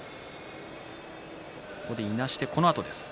ここで、いなして、このあとです。